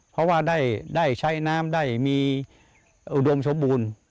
เพราะว่าได้ใช้น้ำได้มีอุดมสมบูรณ์